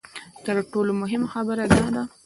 تر ټولو مهمه خبره دا ده.